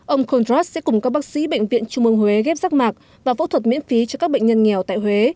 ông condrock sẽ cùng các bác sĩ bệnh viện trung ương huế ghép rác mạc và phẫu thuật miễn phí cho các bệnh nhân nghèo tại huế